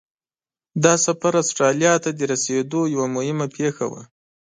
دا سفر استرالیا ته د رسېدو یوه مهمه پیښه وه.